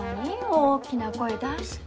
大きな声出して。